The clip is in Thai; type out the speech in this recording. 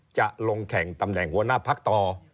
จะลงแข่งตำแหน่งหัวหน้าพักต่อ